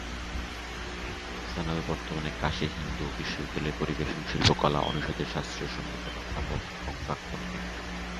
সান্যাল বর্তমানে কাশী হিন্দু বিশ্ববিদ্যালয়ের পরিবেশন শিল্পকলা অনুষদে শাস্ত্রীয় সংগীতের অধ্যাপক এবং প্রাক্তন প্রধান ও প্রাক্তন ডিন।